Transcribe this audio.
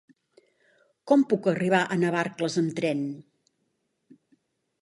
Com puc arribar a Navarcles amb tren?